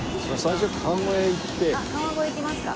川越行きますか？